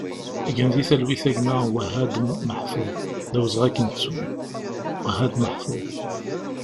Gen di talwit a gma Wahad Meḥfouḍ, d awezɣi ad k-nettu! Wahad Meḥfouḍ